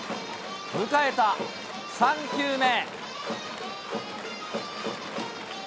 迎えた３球目。